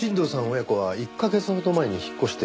親子は１カ月ほど前に引っ越してきてます。